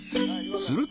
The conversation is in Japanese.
［すると］